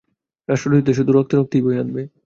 রাষ্ট্রদ্রোহিতা শুধু রক্তারক্তিই বয়ে আনবে।